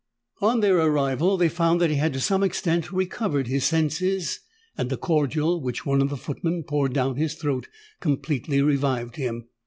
On their arrival they found that he had to some extent recovered his senses; and a cordial, which one of the footmen poured down his throat, completely revived him.